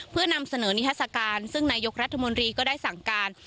เพื่อนำเสนอนิทัศกาลซึ่งนายกรัฐมนตรีก็ได้สั่งการ